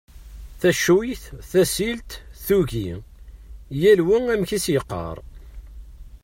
Taccuyt, tasilt, tuggi: yal wa amek i as-yeqqar.